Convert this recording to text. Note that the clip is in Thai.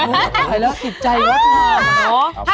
อิ่มใจว่ะ